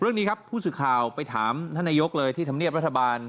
เรื่องนี้ครับผู้สื่อข่าวไปถามท่านนายกเลยที่ธรรมเนียบรัฐบาล